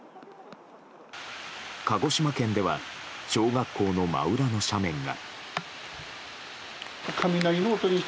鹿児島県では小学校の真裏の斜面が。